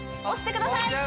押してください！